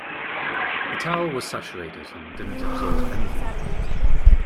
The towel was saturated and didn't absorb anything.